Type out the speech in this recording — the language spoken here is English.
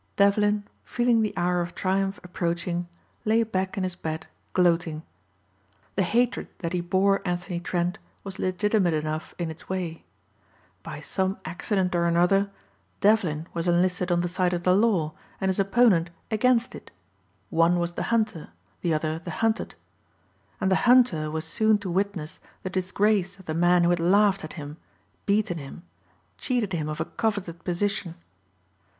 Devlin, feeling the hour of triumph approaching, lay back in his bed gloating. The hatred that he bore Anthony Trent was legitimate enough in its way. By some accident or another Devlin was enlisted on the side of the law and his opponent against it. One was the hunter; the other the hunted. And the hunter was soon to witness the disgrace of the man who had laughed at him, beaten him, cheated him of a coveted position.